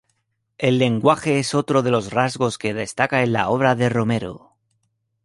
El lenguaje es otro de los rasgos que destaca en la obra de Romero.